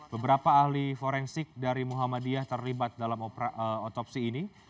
beberapa ahli forensik dari muhammadiyah terlibat dalam otopsi ini